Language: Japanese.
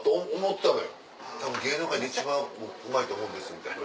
たぶん芸能界で一番うまいと思うんですみたいな。